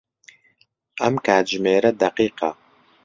ئەم کاتژمێرە دەقیقە.